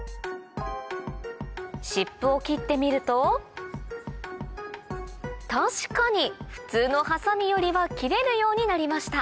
湿布を切ってみると確かに普通のハサミよりは切れるようになりました